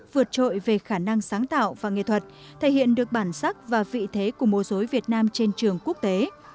vượt trội về khả năng sáng tạo và nghệ thuật thể hiện được bản sắc và vị thế của mô dối việt nam trên trường quốc tế